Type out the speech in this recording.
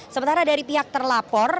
sementara dari pihak terlapor